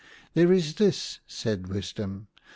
" There is this," said Wisdom.